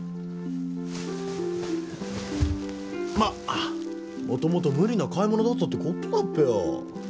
まっもともと無理な買い物だったってことだっぺよ。